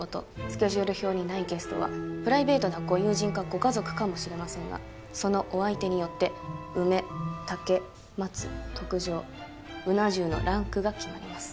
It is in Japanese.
スケジュール表にないゲストはプライベートなご友人かご家族かもしれませんがそのお相手によって梅竹松特上うな重のランクが決まります。